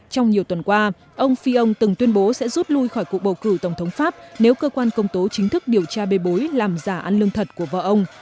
trong nhiều tuần qua ông phi ông từng tuyên bố sẽ rút lui khỏi cuộc bầu cử tổng thống pháp nếu cơ quan công tố chính thức điều tra bề bối làm giả ăn lương thật của vợ ông